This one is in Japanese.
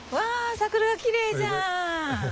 桜がきれいじゃん！